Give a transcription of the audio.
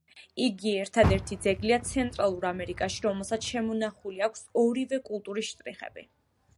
იგი ერთადერთი ძეგლია ცენტრალურ ამერიკაში, რომელსაც შემონახული აქვს ორივე კულტურის შტრიხები.